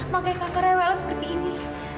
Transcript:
makanya kakak rewel seperti ini